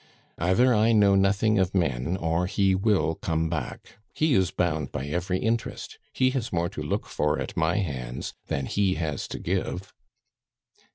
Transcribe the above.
"Either I know nothing of men, or he will come back; he is bound by every interest; he has more to look for at my hands than he has to give."